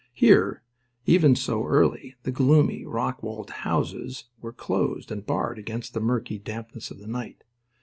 Here, even so early, the gloomy, rock walled houses were closed and barred against the murky dampness of the night.